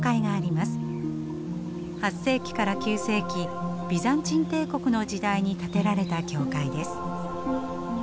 ８世紀から９世紀ビザンチン帝国の時代に建てられた教会です。